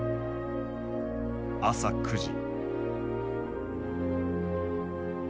朝９時。